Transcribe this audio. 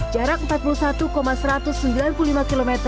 jarak empat puluh satu satu ratus sembilan puluh lima km